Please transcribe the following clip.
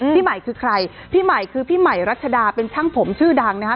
พี่ใหม่คือใครพี่ใหม่คือพี่ใหม่รัชดาเป็นช่างผมชื่อดังนะคะ